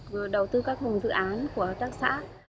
rồi đầu tư các hồn dự án của các hợp tác xã